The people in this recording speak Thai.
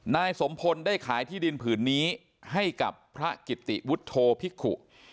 นายสมพลได้ขายที่ดินผืนนี้ให้กับพระกิติวุฒโธภิกุ